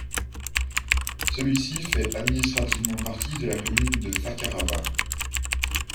Celui-ci fait administrativement partie de la commune de Fakarava.